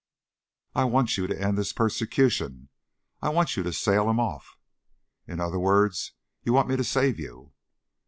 "I want you to end this persecution. I want you to sail him off." "In other words, you want me to save you."